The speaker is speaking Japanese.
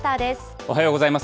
おはようございます。